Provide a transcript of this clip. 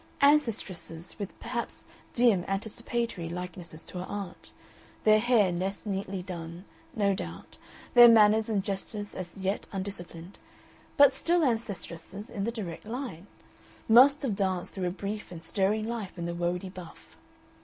Ancestresses with perhaps dim anticipatory likenesses to her aunt, their hair less neatly done, no doubt, their manners and gestures as yet undisciplined, but still ancestresses in the direct line, must have danced through a brief and stirring life in the woady buff.